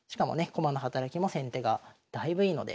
駒の働きも先手がだいぶいいので。